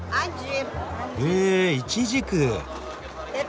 へえイチジク。